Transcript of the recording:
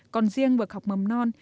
còn riêng bậc học mầm non